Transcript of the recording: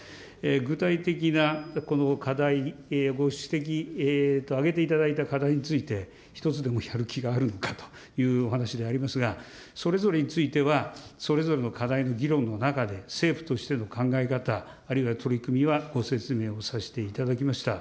具体的なこの課題、ご指摘、挙げていただいた課題について、一つでもやる気があるのかというお話しでありますが、それぞれについては、それぞれの課題の議論の中で、政府としての考え方、あるいは取り組みはご説明をさせていただきました。